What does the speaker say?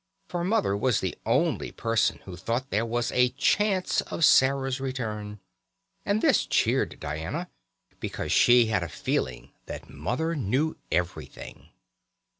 For Mother was the only person who thought there was a chance of Sarah's return, and this cheered Diana, because she had a feeling that Mother knew everything.